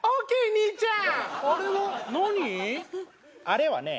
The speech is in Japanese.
あれはね